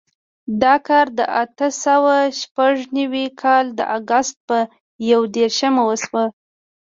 دا کار د اتو سوو شپږ نوېم کال د اګست په یودېرشم وشو.